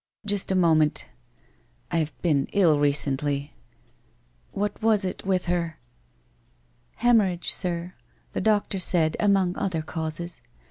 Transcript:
Just a moment I ... I have been ill, recently. What was it, with her?' ' Hemorrhage, sir, the doctor said, among other causes.